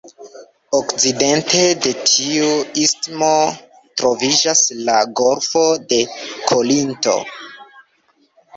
Okcidente de tiu istmo troviĝas la Golfo de Korinto.